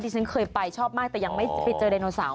ฉันเคยไปชอบมากแต่ยังไม่ไปเจอไดโนเสาร์